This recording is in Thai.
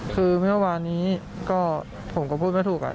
คือเมื่อวานนี้ก็ผมก็พูดไม่ถูก